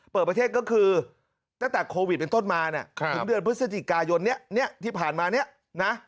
เปิดประเทศก็คือตั้งแต่โควิดเป็นต้นมาถึงเดือนพฤศจิกายนที่ผ่านมา